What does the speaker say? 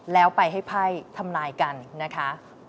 แล้วไปให้ไพ่ทำลายกันนะคะ